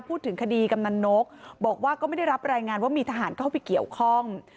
พูดถึงคดีกำนันนกบอกว่าก็ไม่ได้รับรายงานว่ามีทหารเข้าไปเกี่ยวข้อง